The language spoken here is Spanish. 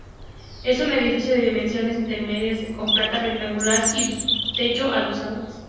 Es un edificio de dimensiones intermedias, con planta rectangular y techo a dos aguas.